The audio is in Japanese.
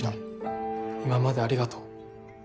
今までありがとう。